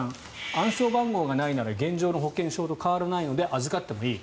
暗証番号がないなら現状の保険証と変わらないので預かってもいい。